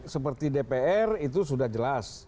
seperti dpr itu sudah jelas